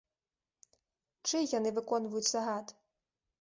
Чый яны выконваюць загад?